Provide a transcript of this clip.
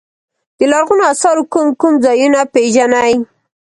د لرغونو اثارو کوم کوم ځایونه پيژنئ.